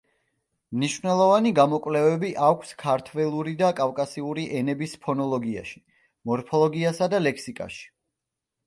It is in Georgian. მნიშვნელოვანი გამოკვლევები აქვს ქართველური და კავკასიური ენების ფონოლოგიაში, მორფოლოგიასა და ლექსიკაში.